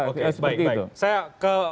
oke baik baik